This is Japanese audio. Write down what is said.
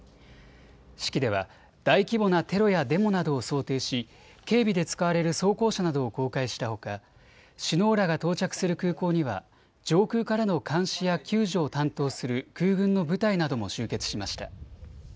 式では大規模なテロやデモなどを想定し警備で使われる装甲車などを公開したほか首脳らが到着する空港には上空からの監視や救助を担当する空軍の部隊なども集結しました。